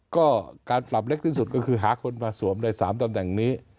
ก็การปรับเล็กที่สุดก็คือหาคนมาสวมใน๓ตำแหน่งนี้